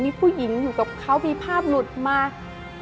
มีผู้หญิงอยู่กับเขามีภาพหลุดมา